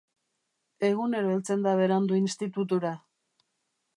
Egunero heltzen da berandu institutura.